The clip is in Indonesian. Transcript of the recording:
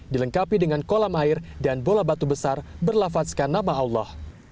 dilengkapi dengan kolam air dan bola batu besar berlafatskan nama allah